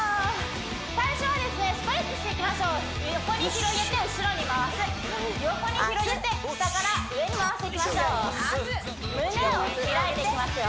最初はですねストレッチしていきましょう横に広げて後ろに回す横に広げて下から上に回していきましょう胸を開いていきますよ